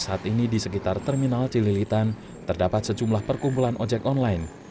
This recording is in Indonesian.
saat ini di sekitar terminal cililitan terdapat sejumlah perkumpulan ojek online